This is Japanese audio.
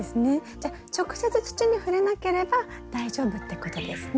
じゃあ直接土に触れなければ大丈夫ってことですね。